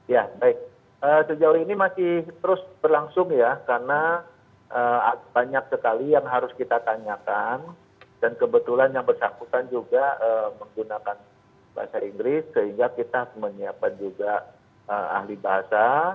ya baik sejauh ini masih terus berlangsung ya karena banyak sekali yang harus kita tanyakan dan kebetulan yang bersangkutan juga menggunakan bahasa inggris sehingga kita menyiapkan juga ahli bahasa